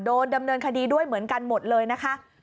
โดนดำเนินคดีด้วยเหมือนกันหมดเลยนะคะ